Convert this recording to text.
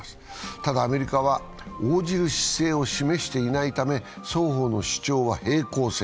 ただアメリカは応じる姿勢を示していないため、双方の主張は平行線。